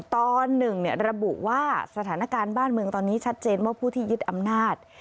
ตอน๑ระบุว่าสถานการณ์บ้านเมืองตอนนี้ชัดเจนว่าผู้ที่ยึดอำนาจ